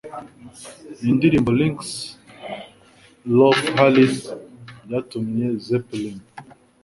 Ni Indirimbo Links Rolf Harris & byatumye Zeppelin